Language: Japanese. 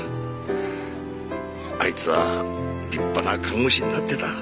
あいつは立派な看護師になってた。